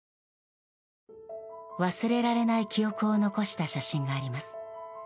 忘れられない記憶を残した写真があります。